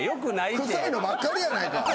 臭いのばっかりやないか。